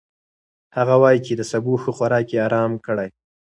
هغه وايي چې د سبو ښه خوراک يې ارام کړی.